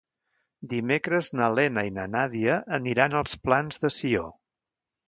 Dimecres na Lena i na Nàdia aniran als Plans de Sió.